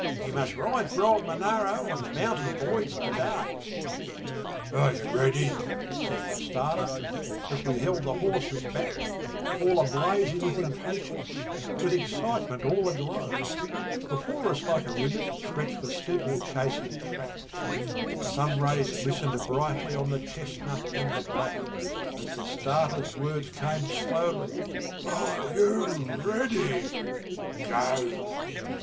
You must ride for old Monaro and the mountain boys to day.' 'Are you ready?' said the starter, as we held the horses back, All ablazing with impatience, with excitement all aglow; Before us like a ribbon stretched the steeplechasing track, And the sun rays glistened brightly on the chestnut and the black As the starter's words came slowly, 'Are you ready? Go!'